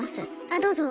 あどうぞ。